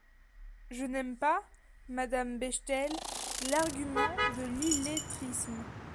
Je n’aime pas, madame Bechtel, l’argument de l’illettrisme.